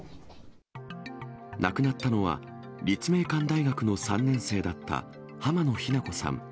亡くなったのは、立命館大学の３年生だった浜野日菜子さん。